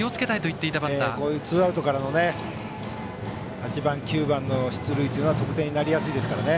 こういうツーアウトからの８番、９番の出塁というのは得点になりやすいですからね。